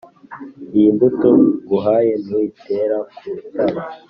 iyi mbuto nguhaye, nuyitera ku rutare